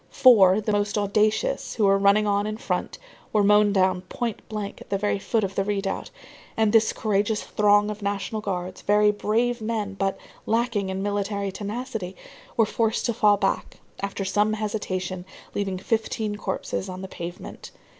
Four, the most audacious, who were running on in front, were mown down point blank at the very foot of the redoubt, and this courageous throng of National Guards, very brave men but lacking in military tenacity, were forced to fall back, after some hesitation, leaving fifteen corpses on the pavement.